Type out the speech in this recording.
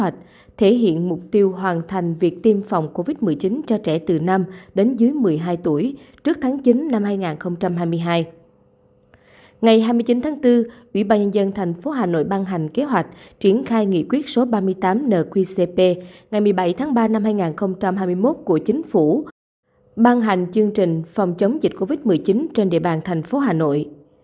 chương trình phòng chống dịch covid một mươi chín trên địa bàn thành phố hà nội